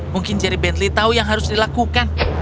mungkin jerry bentley tahu yang harus dilakukan